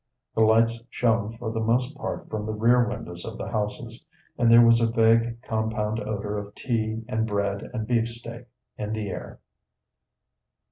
The lights shone for the most part from the rear windows of the houses, and there was a vague compound odor of tea and bread and beefsteak in the air.